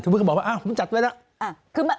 เมื่อกี้บอกว่าผมจัดไว้แล้ว